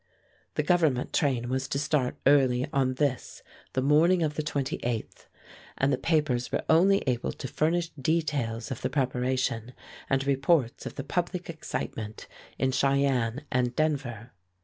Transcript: The Government train was to start early on this, the morning of the 28th, and the papers were only able to furnish details of the preparation and reports of the public excitement in Cheyenne and Denver.